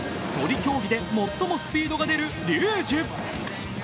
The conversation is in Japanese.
そり競技で最もスピードが出るリュージュ。